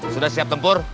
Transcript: sudah siap tempur